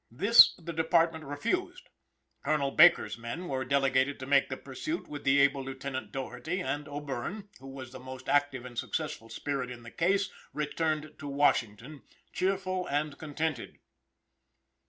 This the department refused. Colonel Baker's men were delegated to make the pursuit with the able Lieutenant Doherty, and. O'Bierne, who was the most active and successful spirit in the chase, returned to Washington, cheerful and contented.